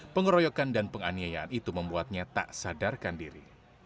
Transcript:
pengeroyokan dan penganiayaan itu membuatnya tak sadarkan diri